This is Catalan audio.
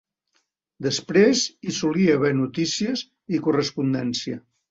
Després hi solia haver notícies i correspondència.